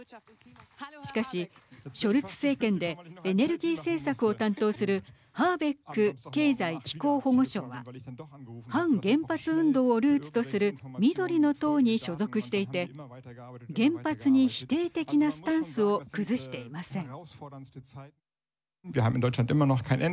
しかし、ショルツ政権でエネルギー政策を担当するハーベック経済・気候保護相は反原発運動をルーツとする緑の党に所属していて原発に否定的なスタンスを崩していません。